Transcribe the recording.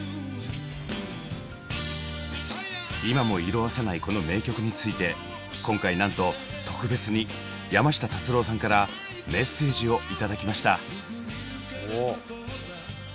今も色あせないこの名曲について今回なんと特別に山下達郎さんからメッセージをいただきました。